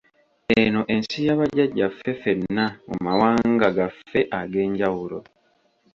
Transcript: Eno ensi ya bajjajjaffe ffenna mu mawanga gaffe ag’enjawulo.